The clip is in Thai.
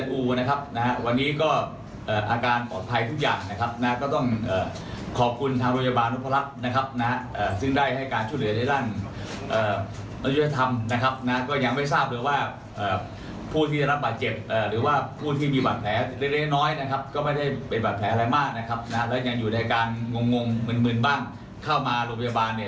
ทางโรงพยาบาลนมพลน้องภรรทรก็ได้ให้การช่วยเรียนดูแลอย่างดี